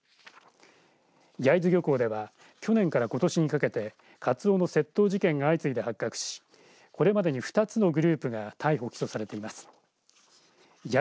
焼津漁港では去年からことしにかけてカツオの窃盗事件が相次いで発覚しこれまでに２つのグループが逮捕、起訴されています。